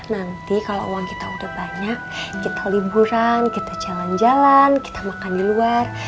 nanti kalau uang kita udah banyak kita liburan kita jalan jalan kita makan di luar